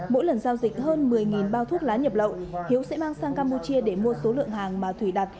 mỗi lần giao dịch hơn một mươi bao thuốc lá nhập lậu hiếu sẽ mang sang campuchia để mua số lượng hàng mà thủy đặt